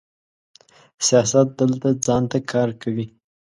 سیاست دلته ځان ته کار کوي.